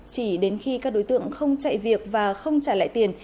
chỉ đến khi các đối tượng không chạy việc và không trả lại tiền